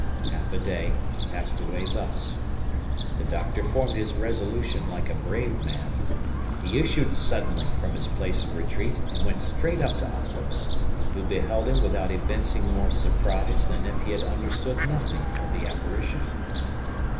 Half a day passed away thus. The doctor formed his resolution like a brave man; he issued suddenly from his place of retreat, and went straight up to Athos, who beheld him without evincing more surprise than if he had understood nothing of the apparition.